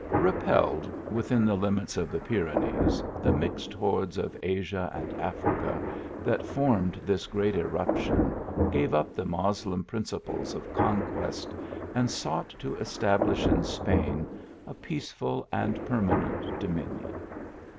Repelled within the limits of the Pyrenees, the mixed hordes of Asia and Africa that formed this great irruption, gave up the Moslem principles of conquest, and sought to establish in Spain a peace ful and permanent dominion.